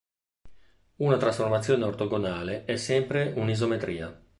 Una trasformazione ortogonale è sempre un'isometria.